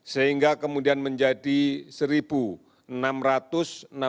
sehingga kemudian menjadi satu delapan ratus empat puluh tiga orang